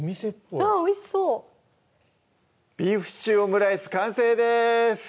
あっおいしそう「ビーフシチューオムライス」完成です